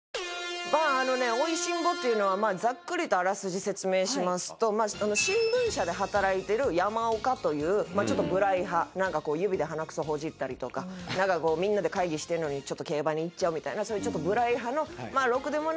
まああのね『美味しんぼ』というのはざっくりとあらすじ説明しますと新聞社で働いてる山岡というまあちょっと無頼派なんかこう指で鼻くそほじったりとかみんなで会議してるのにちょっと競馬に行っちゃうみたいなそういうちょっと無頼派の。